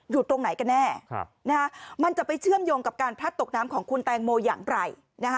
อยู่ตรงไหนกันแน่มันจะไปเชื่อมโยงกับการพลัดตกน้ำของคุณแตงโมอย่างไร